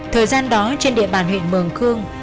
thời gian đó trên địa bàn huyện mường khương